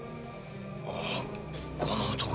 ああこの男。